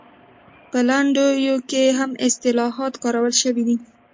په لنډیو کې هم اصطلاحات کارول شوي دي